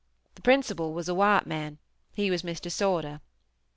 The principal was a white man, he was Mr. Sortur.